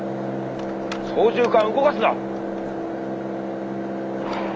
操縦かん動かすな！